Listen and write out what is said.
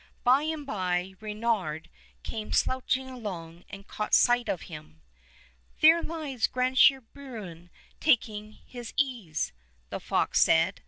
By and by Reynard came slouching along and caught sight of him. " There lies Grandsire Bruin taking his ease,'' the fox said.